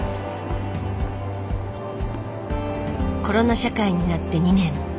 コロナ社会になって２年。